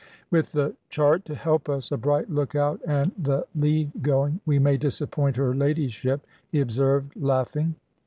"With the chart to help us, a bright look out, and the lead going, we may disappoint her ladyship," he observed, laughing.